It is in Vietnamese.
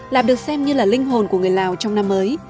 lạp được xem như là linh hồn của người lào trong năm mới